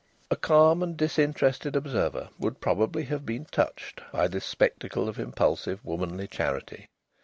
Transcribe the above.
A calm and disinterested observer would probably have been touched by this spectacle of impulsive womanly charity.